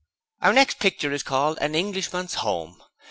'Our next picture is called "An Englishman's Home".